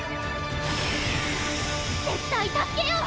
絶対助けよう！